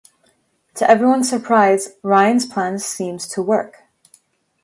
To everyone's surprise, Ryan's plan seems to work.